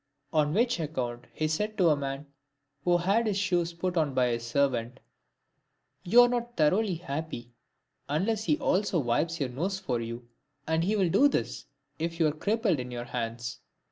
On which account he said to a man, who had his shoes put on by his servant, " You are not thoroughly happy, unless he also wipes your nose for you ; and he will do this, if you are crippled in your hands."